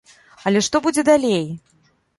Але што будзе далей?